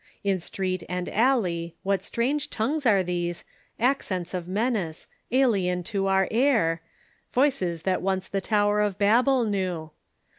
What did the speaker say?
In street and alley, what strange tongues are these. Accents of menace, alien to our air. Voices that once the Tower of Babel knew